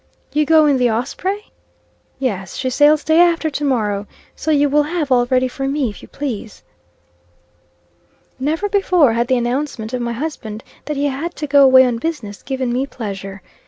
"You go in the Osprey?" "Yes. She sails day after to morrow. So you will have all ready for me, if you please." Never before had the announcement of my husband that he had to go away on business given me pleasure.